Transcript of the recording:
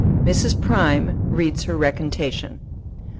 MRS. PRIME READS HER RECANTATION.